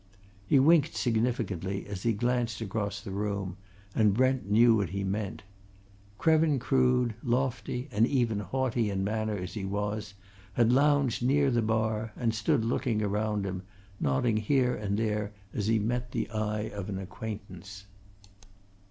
He winked significantly as he glanced across the room, and Brent knew what he meant. Krevin Crood, lofty and even haughty in manner as he was, had lounged near the bar and stood looking around him, nodding here and there as he met the eye of an acquaintance.